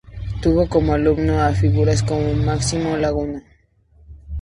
Tuvo como alumnos a figuras como Máximo Laguna.